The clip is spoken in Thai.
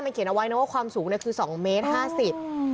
มันเขียนเอาไว้นะว่าความสูงคือ๒เมตร๕๐